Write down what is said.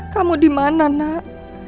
kamu dimana nak